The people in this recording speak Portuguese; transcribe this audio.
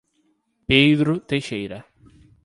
Pedro Teixeira